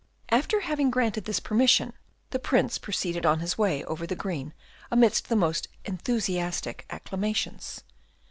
After having granted this permission, the Prince proceeded on his way over the green amidst the most enthusiastic acclamations.